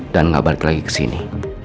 dan gak balik lagi kesini